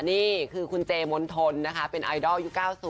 นี่คือคุณเจมนทนนะคะเป็นไอดอลยุค๙๐